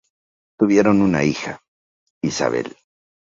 Tuvieron una hija, Isabel.